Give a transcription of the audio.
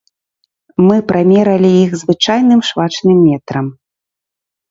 Мы прамералі іх звычайным швачным метрам.